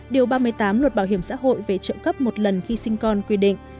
điều ba mươi tám luật bảo hiểm xã hội về trợ cấp một lần khi sinh con quy định